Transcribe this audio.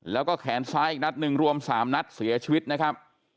แล้วก็แขนซ้ายอีกนัดหนึ่งรวม๓นัดเสียชีวิตนะครับ